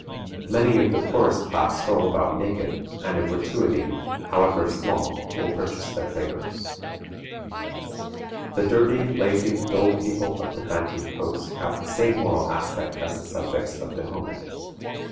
Many of the poorest class stroll about naked, and a gratuity, however small, will purchase their favors. The dirty, lazy, dull people of the Fantee Coast have the same moral aspect as the subjects of Dahomey.